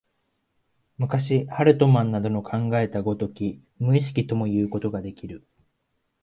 昔、ハルトマンなどの考えた如き無意識ともいうことができる。